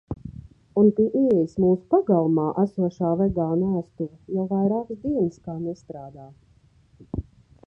Un pie ieejas mūsu pagalmā esošā vegānu ēstuve jau vairākas dienas kā nestrādā.